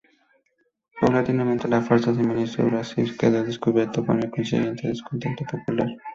Paulatinamente, la farsa del ministro Errázuriz quedó al descubierto, con el consiguiente descontento popular.